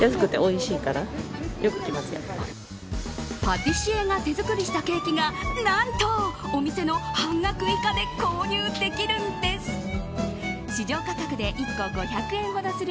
パティシエが手作りしたケーキが何とお店の半額以下で購入できるんです。